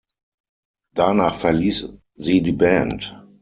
Danach verließ sie die Band.